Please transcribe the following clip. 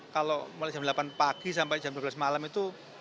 kalau mulai jam delapan pagi sampai jam dua belas malam itu